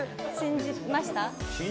信じました？